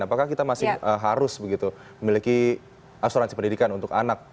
apakah kita masih harus begitu memiliki asuransi pendidikan untuk anak